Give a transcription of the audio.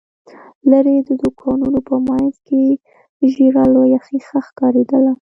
ليرې، د دوکانونو په مينځ کې ژېړه لويه ښيښه ښکارېدله.